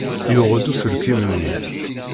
Yuɣ-d uselkim-nni.